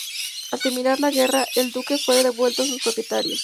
Al terminar la guerra el buque fue devuelto a sus propietarios.